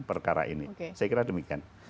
perkara ini saya kira demikian